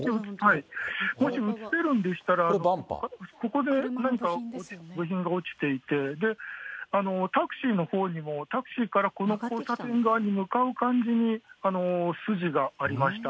もし映せるんでしたら、ここで何か部品が落ちていて、で、タクシーのほうにも、タクシーからこの交差点側に向かう感じに筋がありました。